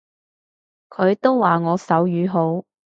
佢都話我手語好